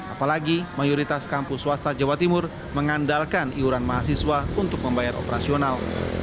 apalagi mayoritas kampus swasta jawa timur mengandalkan iuran mahasiswa untuk membayar operasional